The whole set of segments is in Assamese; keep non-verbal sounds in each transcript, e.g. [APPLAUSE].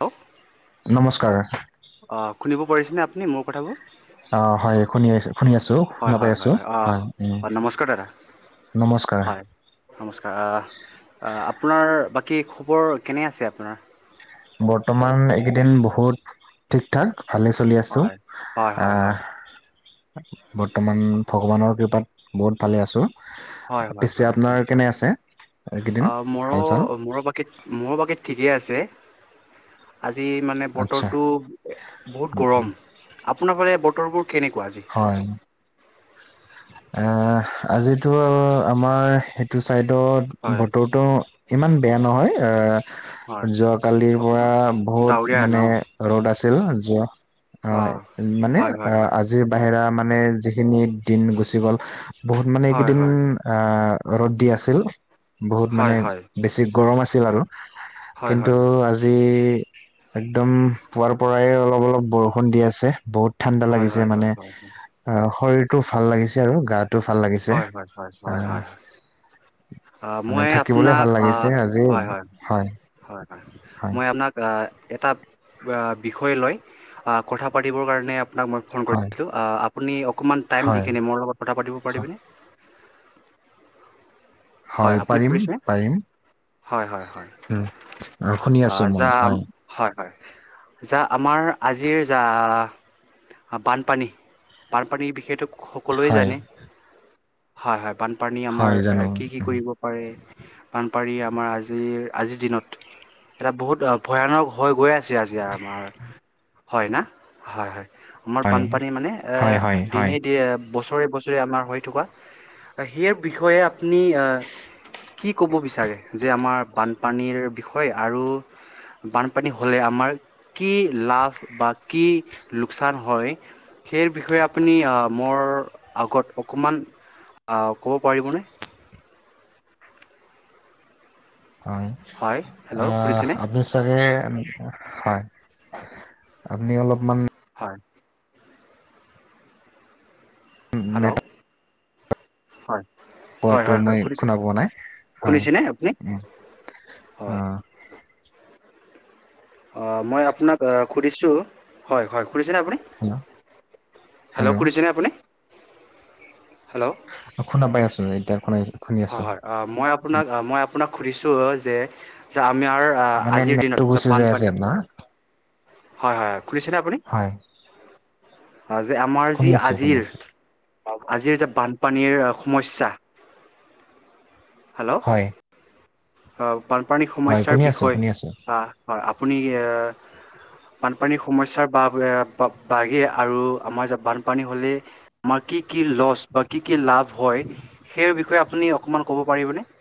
হেল্ল' নমস্কাৰ অ' শুনিব পাৰিছেনে আপুনি মোৰ কথাবোৰ? অ' হয়, শুনি আছোঁ, শুনি আছোঁ, শুনা পাই আছোঁ হয়। অ' নমস্কাৰ দাদা হয় নমস্কাৰ আহ আপোনাৰ বা কি খবৰ কেনে আছে আপোনাৰ? বৰ্তমান এইকেইদিন বহুত ঠিক থাক। ভালে চলি আছোঁ। হয় হয় হয় হয় আহ বৰ্তমান ভগৱানৰ কৃপাত বহুত ভালে আছোঁ। হয় হয় হয় পিছে আপোনাৰ নিশ্চয় কেনে আছে? এইকেইদিন অ' মোৰো হাল চাল মোৰ বাকি মোৰো বাকি ঠিকেই আছে। আজি মানে আচ্ছা বতৰটো বহুত উম, উম। গৰম আপোনাৰ ফালে বতৰবোৰ কেনেকুৱা আজি? অ' আজিতো আমাৰ সেইটো চাইডত হয় বতৰটো ইমান বেয়া নহয় হয় আহ যোৱ কালিৰ পৰা অকমান বহুত ডাৱৰীয়া ন মানে ৰ'দ আছিল। তেতিয়া হ'লে যোৱা অ আহ মানে হয় হয় আহ হয় আজিৰ বাহিৰা মা মানে যিখিনি দিন গুচি গ'ল বহুত মানে হয় এইকেইদিন আহ ৰ'দ দি আছিল বহুত মানে হয় হয় বেছি গৰম আছিল আৰু। হয় হয় হয় হয় কিন্তু হয় আজি একদম পুৱাৰ পৰাই অলপ অলপ বৰষুণ দি আছে বহুত। ঠাণ্ডা হয় হয় লাগিছে হয় হয় মানে হয় অ শৰীৰটো ভাল লাগিছে আৰু গাত টো ভাল লাগিছে। হয়, হয়, হয়, হয়, হয়, হয়। অ' মানে মই থাকিবলে আপোনাক ভাল লাগিছে অ' আজি, হয়, হয়। হয় হয় হয় মই আপোনাক আ এটা ৱাক বিষয়ে লয় কথা পাতিবৰ কাৰণে আপোনাক মই ফোন হয় কৰিছিলো। আ আপুনি অক কমান টাইম দি হয় কিনে মোৰ লগত কথা পাতি পাৰিবিনে? হয় আপুনি পাৰিম কুৰিছে, পাৰিম হয় হয়। হয় উম, শুনি আ আছো মই জাম হয় হয়। হয়, যা আমাৰ আজিৰ যা বানপানী, বানপানীৰ বিষেটো সকলোৱে হয় জানে, হয়, হয়, বানপানী আমাৰ হয় কি, জানো কি কৰিব পাৰে? বানপানী আমাৰ আজিৰ, আজিৰ দিনত এটা বহুত অ', ভয়ানক হৈ গৈ আছে, আজি আমাৰ হয়না? হয়, হয়। আমাৰ হয় বানপানী মানে এ, হয় হয় হয় দিনে দি বছৰে, বছ আমাৰ হৈ থকা, সেই বিষয়ে আপুনি অ' কি ক'ব বিচাৰে? যে, আমাৰ বানপানীৰ বিষয়ে আৰু বানপানী হ'লে আমাৰ কি লাভ বা কি লোকচান হয়? সেই বিষয়ে আপুনি আ, মোৰ আগত অকণমান আ, ক'ব পাৰিবনে? হয়, হয় আ, হেল্ল' শুনিছেনে আপুনি চাগে হয়, আপুনি অলপমান হয়। হেল্ল'! হয়। হয় হয় [UNINTELLIGIBLE] হয় মই শুনিছে শুনা পোৱা নাই হয়, শুনিছেনে আপুনি অ'। হয় অ'। অ', মই আপোনাক অ', সুধিছোঁ হয়, হয়। শুনিছেনে আপুনি? Hello hello! শুনিছেনে আপুনি? হেল্ল' শুনা পাই আছোঁ, এতিয়াৰ [UNINTELLIGIBLE] হয়, হয়, অ', মই আপোনাক, আ, মই আপোনাক সুধিছোঁ যে, [UNINTELLIGIBLE] নাৰ আ-আজিৰ, মানে আজিৰ নেটটো দিনত গুচি যাই আছে বানপানী আপোনাৰ হয়, হয়, শুনিছেনে আপুনি? হয় যে আমাৰ যি শুনি আছো শুনি আজিৰ আছো আজিৰ যে বানপানীৰ সমস্যা। হেল্ল' হয় বানপানী হয় সমস্যাৰ শুনি আছো বিষয়ে শুনি আছো হয় আপুনি ইয়ে বানপানীৰ সমস্যাৰ বা বাঢ়ি আৰু আমাৰ বানপানী হ'লে আমাৰ কি কি লছ বা কি কি লাভ হয় সেই বিষয়ে আপুনি অকণমান কব পাৰিব নেকি? [INAUDIBLE]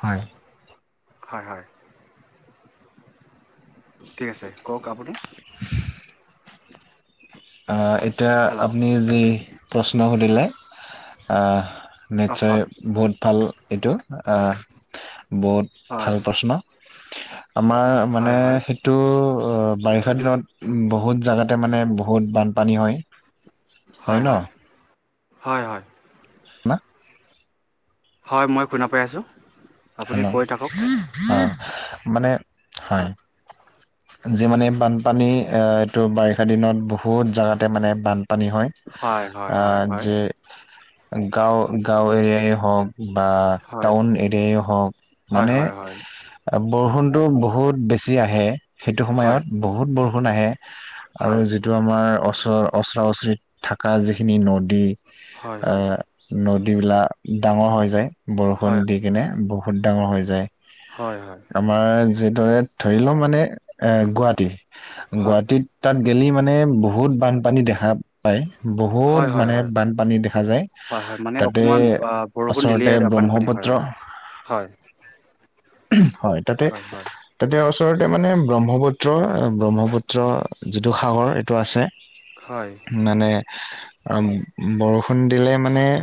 হয়। হয় হয়। ঠিক আছে কওক আপুনি। আহ এতিয়া হেল্ল' আপুনি যি প্ৰশ্ন সুধিলে আহ অ নিশ্চয় হয় বহুত ভাল এইটো আহ বহুত ভাল হয় প্ৰশ্ন। আমাৰ মানে হয় হয় হয় সেইটো অ বাৰিষা দিনত বহুত জেগাতে মানে বহুত বানপানী হয়। হয় হয় হয় হয়। না হয় মই শুনা পৰাই আছোঁ। আপুনি হেল্ল' অ কৈ থাকক মানে হয়। যি মানে বানপানী এ এইটো বাৰিষা দিনত বহুত জেগাতে মানে বান পানী হয় হয় হয় হয় হয় যে গাঁও, গাঁও এৰিয়াই হওক বা হয় টাউন এৰিয়াই হওক হয় মানে হয় হয় বৰষুণটো বহুত বেছি আহে, সেইটো হয় সময়ত বহুত বৰষুণ আহে। আৰু হয় যিটো আমাৰ ওচ, ওচৰা-ওচৰিত থকা যিখিনি নদী এ হয় হয় নদী বিলাক ডাঙৰ হৈ যায় বৰষুণ হয় হয় দি কিনে বহ বহুত ডাঙৰ হৈ যায়, হয় হয় হয় আমাৰ য তই ধৰি ল মানে এ গুৱাহাটী গুৱাহাটীত তাত গেলি মানে বহুত বানপানী দেখা পায়। বহুত হয় হয় মানে বানপানী দেখা যায় হয় হয় মানে তাতে অকণমান আহ বৰষুণ দিলেই ওচৰতে আৰু বানপানী ব্ৰহ্মপুত্ৰ। হয়। হয় তাতে, তাতে ওচৰতে মানে ব্ৰহ্মপুত্ৰ, ব্ৰহ্মপুত্ৰ যিটো সাগৰ এইটো আছে। মানে অ', বৰষুণ দিলে মানে অ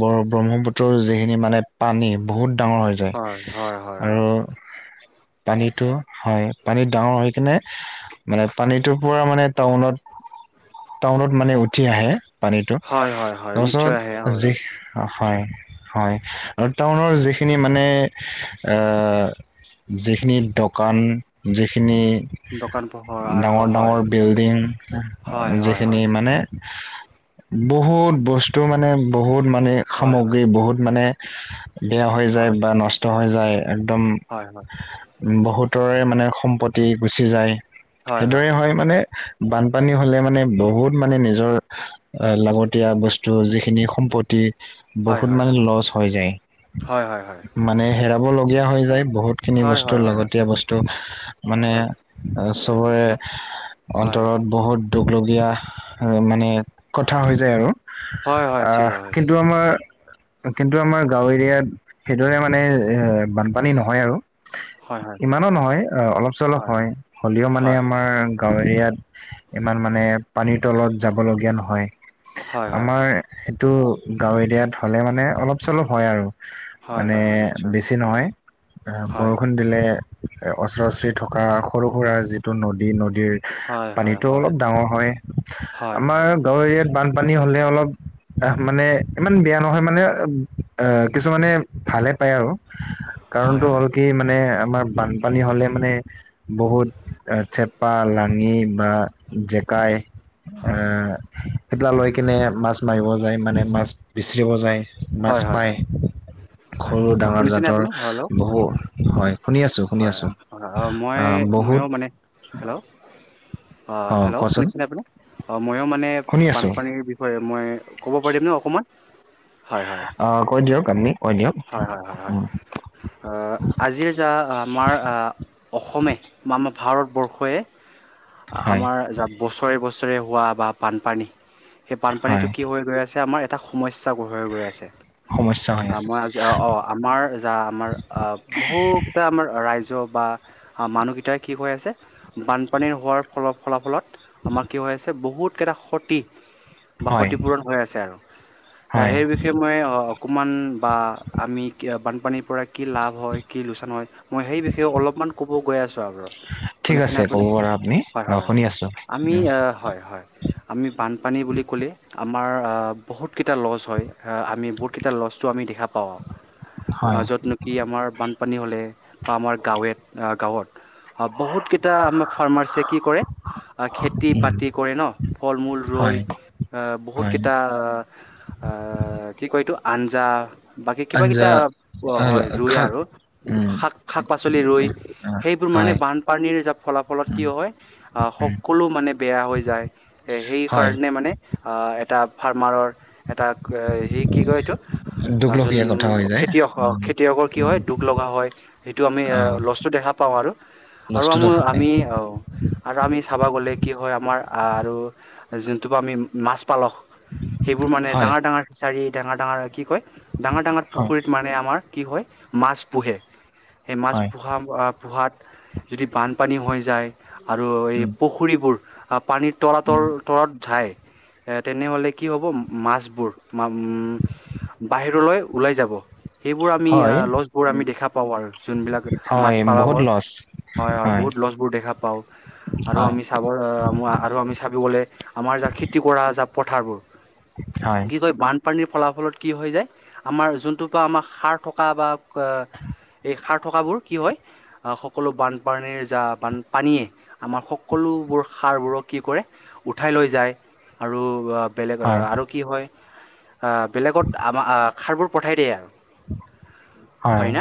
ব ব্ৰহ্মপুত্ৰৰ যিখিনি মানে পানী বহুত ডাঙৰ হৈ যায় হয় হয় হয় হয় আৰু হয় পানীতো হয় পানীত ডাঙৰ হৈ কিনে মানে পানীটোৰ পৰা মানে টাউনত, টাউনত মানে উঠি আহে। পানীটো হয় হয় হয় নিশ্চয় আহে তাৰপাছত হয় যি, হয় হয় আৰু টাউনৰ যিখিনি মানে যিখিনি দোকান যিখিনি দোকান পোহৰ আৰু ডাঙৰ, হয় ডাঙৰ বিল্ডিং হয় হয় যিখিনি হয় মানে বহুত বস্তু মানে বহুত মানে হয় সামগ্ৰী বহুত মানে বেয়া হৈ যায় হয় বা নষ্ট হৈ যায় একদম হয় হয় বহু তৰে মানে সম্পত্তি গুচি যায় সেইদৰে হয় মানে বানপানী হ'লে মানে বহুত মানে নিজৰ লাগতিয়া বস্তু যিখিনি সম্পত্তি হয় বহুত হয় মানে লচ হৈ যায় হয় হয় হয় মানে, হেৰাব লগীয়া হৈ যায়। বহুতখিনি হয় বস্তু হয় হয় লাগতীয়া বস্তু মানে হয় চবৰে হয় ভিতৰত বহুত দুখলগীয়া মানে কথা হৈ যায় আৰু হয় হয় ঠিক আ'হ হয় হয় কিন্তু আমাৰ কিন্তু আমাৰ গাঁও এৰিয়াত সেইদৰে মানে এ! বানপানী নহয় আৰু হয় হয় ইমানো নহয় অলপ চলপ হয় হ'লেও মানে হয় আমাৰ গাঁৱ এৰিয়াত ইমান মানে পানীৰ তলত যাব লগীয়া নহয়। হয় হয় আমাৰ সেইটো গাঁও এৰিয়াত হ'লে মানে অলপ চলপ হয় আৰু হয়, মানে হয়, হয়। নিশ্চয় বেছি নহয় হয় বৰষুণ দিলে। অচৰা, আচৰি থকা সৰু, সুৰা যিটো নদী- নদী হয় পানী হয় হয় অলপ ডাঙৰ হয় হয় হয় আমাৰ হয় গাঁও এৰিয়াত পানী হ'লে অলপ। আ'হ মানে ইমান বেয়া নহয় মানে আহ কিছুমানে ভালে। আৰু হয় হয় কাৰণটো হ'ল কি মানে? আমাৰ বানপানী হ'লে মানে বহুত থেপা লাঙি বা জেকাই হয় আ'হ সেইবিলাক লৈ কিনে মাছ মাৰিব যায় মানে মাছ বিচৰিব যায়। মাছ হয় হয় হয় পায়, সৰু, ডাঙৰ শুনিছেনে জাতৰ আপুনি হেল্ল' বহু হয়। শুনি আছোঁ, শুনি হয় আছোঁ মই ময়ো মানে হেল্ল' বহুত অ', হেল্ল' শুনিছেনে আপুনি? অ' ময়ো মানে শুনি আছো বানপানীৰ বিষয়ে মই ক'ব পাৰিম ন অকণমান? হয়, হয়, অ', কৈ দিয়ক আপুনি? কৈ দিয়ক হয়, হয়, হয়, হয়। উম, আজি যাৰ আমাৰ অসমে ভাৰতবৰ্ষই হয় আমাৰ য বছৰে, বছৰে। ছৰে হোৱা বা বানপানী সেই হয় বানপানীটো কি হৈ গৈ আছে আমাৰ এটা সমস্যা গঢ়ৈ গৈ আছে। সমস্যা হৈ আছে। অ' অ' আমাৰ যাৰ আমাৰ অ' বহুকেইটা আমাৰ ৰাইজ বা মানুহকেইটাই কি হৈ আছে বানপানীৰ হোৱাৰ ফল ফলাফলত আমাৰ কি হৈ আছে বহুতকেইটা সতি বা হয় ক্ষতিপূৰণ হৈ আছে আৰু হয় সেই বিষয়ে মই অকণমান বা আমি বানপানীৰ পৰা কি লাভ হয় কি লোকচান হয়। মই সেই বিষয়ে অলপমান ক'ব গৈ আছোঁ। চাওঁ বাৰু, ঠিক শুনিছেনে আছে আপুনি? ক'ব পৰা আপুনি হয়, অ হয়, হয়। শুনি আছো আমি উম হয়, হয় আমি পান বানপানী বুলি ক'লে আমাৰ বহুত কেইটা লছ হয়। আমি বহুত কেইটা লছটো আমি দেখা পা পাওঁ। হয় অ' য'ত নেকি আমাৰ বান পানী হ'লে বা আমাৰ গাঁৱেত গাঁৱত বহুত কেইটা আমাৰ ফাৰ্মাছিয়ে কি কৰে খেতি উম বাতি কৰে ন ফল মূল ৰই হয় আহ বহুত হয় কেইটা আহ কি কয় এইটো আঞ্জা। বাকী কিবা আঞ্জা কিটা হয় ৰুই খাক আৰু উম শাক শাক পাচলি ৰুই উম, অ, সেই বোৰৰ হয় বানপানী যাৰ ফলাফলত কি উম হয় আহ উম সকলো মানে বেয়া হৈ যায় এই হেই। হয় কাৰণে মানে আহ এটা ফাৰ্মাৰ এটা হেই কি কয় এইটো। অ' যোন দুখলখীয়া কথা হৈ যায় খেতিয়ক উম খেতিয়কৰ কি উম হয় দুখ লগা হয়। সেইটো আমি অ' লছটো দেখা পাওঁ আৰু আৰু লছটো আমি দেখা পায় আমি অ' আৰু আমি চাবা গ'লে কি হয় আমাৰ আৰু যোনটো পৰা আমি মাছ পালক সেইবোৰ মানে হয় ডাঙৰ ডাঙৰ ফিচাৰি ডাঙৰ ডাঙৰ কি কয় ডাঙৰ ডাঙৰ হয় পুখুৰীত মানে আমাৰ কি হয় মাছ পোহে সেই মাছ হয় পোহা পোহাত যদি বানপানী হৈ যায়। আৰু এই উম পুখুৰীবোৰৰ পানীৰ তলা তল তলত থায়। তেনে হ'লে কি হ'ব মাছবোৰৰ উম, বাহিৰত লৈ ওলাই যাব। সেইবোৰ আমি হয় লছ বোৰ আমি দেখা পাওঁ আৰু যোনবিলাক মাছ হয় পালকৰ বহুত হয়, লছ হয়। বহুত লছ বোৰ দেখা পাওঁ। আৰু হয় আমি চাব আৰু আমি চাব গ'লে আমাৰ যাৰ খেতি কৰা যাৰ পথাৰবোৰ হয় কি কয় বানপানীৰ ফলাফলত কি হৈ যায়। আমাৰ যোনটোৰ পৰা আমাৰ সাৰ থকা সাৰ থকাবোৰ কি হয় সকলো বানপানীৰ যা বানপানীয়ে আমাৰ সকলোবোৰ‌ সা সাৰবোৰক কি কৰে উঠাই লৈ যায় আৰু বেলেগ হয় আৰু কি হয়, বেলেগত আমাৰ খাৰবোৰ পঠাই দিয়ে আৰু হয় হয় ন,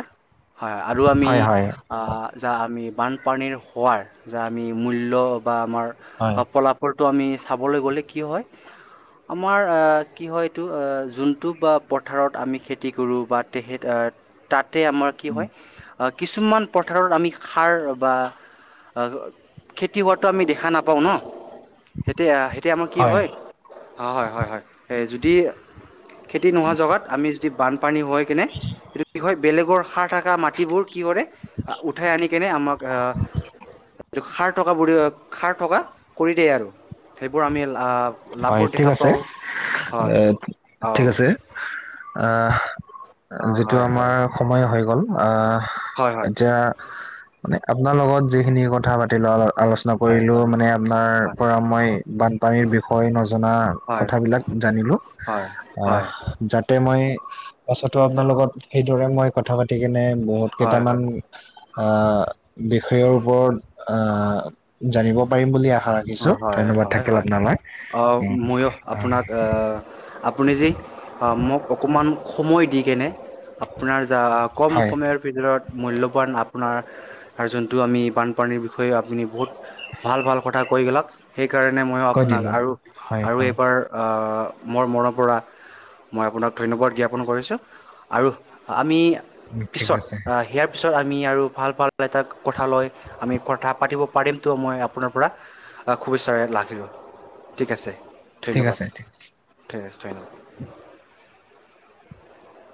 হয় আৰু আমি হয় হয় যা আমি বানপানীৰ হোৱাৰ যি আমি মূল্য বা আমাৰ হয় ফলাসৰ তো আমি চাবলৈ গ'লে কি হয়, আমাৰ কি হয় এইটো যোনটো বা পথাৰত আমি খেতি কৰোঁ বা তেহে-আ তাতে আমাৰ কি উম, হয় আ কিছুমান পথাৰত আমি সাৰ বা খেতি হোৱাতটো আমি দে দেখা নাপাওঁ ন, তেতিয়া তেতিয়া আমাৰ কি হয়, হয়, হয়, হয়। সে যদি খেতি নোহোৱা জেগাত আমি যদি বানপানী হয় কেনে সটো কি হয় বেলেগৰ সাৰ থকা মাটিবোৰ কি কৰে, উঠাই আনি কেনে আমাক টো খাৰ থকা বিলাক, খাৰ থকা কৰি দিয়ে আৰু সেইবোৰ আমি আ হয়, লাভবোৰ ঠিক দেখা আছে পাওঁ হয়। অ'। আ অ যিটো হয় আমাৰ হয় সময় হৈ গ'ল আ হয় হয় এতিয়া মানে আপোনাৰ লগত যিখিনি কথা পাতি লোৱা হ'ল আলোচনা হয় কৰিলো, মানে হয় আপোনাৰ পৰা মই বানপানীৰ বিষয় ষয়ে নজনা হয় কথাবিলাক জানিলো। হয় আ হয় হয় যাতে মই পাছ আপোনাৰ লগত সেইদৰে মই কথা পাতি কিনে বহুত হয় কেইটামান হয় আ বিষয়ৰ ওপৰত আ জানিব পাৰিম বুলি আ শা ৰাখিছো। ধন্যবাদ থাকিল আপোনালৈ। অ', উম মইয়ো আপোনাক আ আপুনি যে আ মোক অক অকমান সময় দি কেনে আপোনাৰ যাক কম হয় সময়ৰ ভিতৰত মূল্যবান আ আপোনাৰ যোনটো আমি বানপানীৰ বিষয়ে, আপুনি বহুত ভাল ভাল কথা কৈ গ'লাক সেই কাৰণে মইয়ো কৈ আপোনাক দিলো আৰু হয় আৰু হয় এইবাৰ আ মোৰ মনৰ পৰা মই আপোনাক ধন্যবাদ জ্ঞাপন কৰিছোঁ। আৰু আমি ঠিক পিছত আছে আ' হেয়াৰ পিছত আমি আৰু ভাল-ভাল এটা কথা লয় আমি কথা পাতিব পাৰিমতো, মই আপোনাৰ পৰা খুবিচ্ছাৰে লাগিব। ঠিক আছে। ঠিক ধন্যবাদ আছে, ঠিক আছে। [UNINTELLIGIBLE]